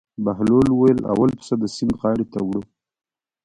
بهلول وویل: اول پسه د سیند غاړې ته وړو.